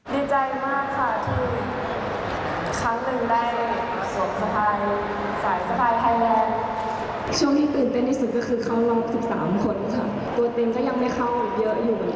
ดีใจมากค่ะทุกครั้งหนึ่งได้สวมสไทยสายสไทยไทยแลนด์